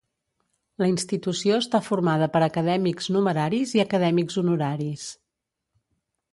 La institució està formada per acadèmics numeraris i acadèmics honoraris.